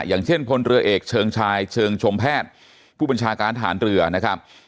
อย่างเช่นพลเรือเอกเชิงชายเชิงชมแพทย์ผู้บัญชาการฐานเรือนะครับ